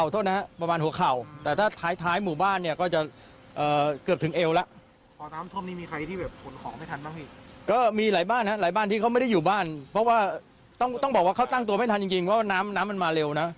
ต้องบอกว่าเขาตั้งตัวไม่ทันจริงว่าน้ำมันมาเร็ว